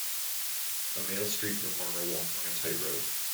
A male street performer walking a tightrope.